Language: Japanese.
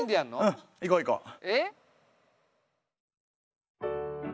うん。いこういこう。